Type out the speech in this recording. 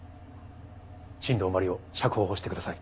新道真理を釈放してください。